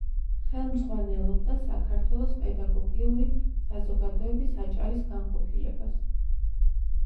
ხელმძღვანელობდა საქართველოს პედაგოგიური საზოგადოების აჭარის განყოფილებას.